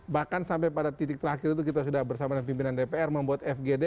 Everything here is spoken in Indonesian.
bahkan sampai pada titik terakhir itu kita sudah bersama dengan pimpinan dpr membuat fgd